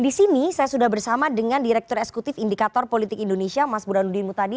di sini saya sudah bersama dengan direktur eksekutif indikator politik indonesia mas burhanuddin mutadi